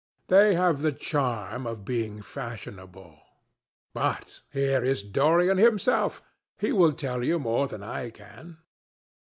They have the charm of being fashionable. But here is Dorian himself. He will tell you more than I can."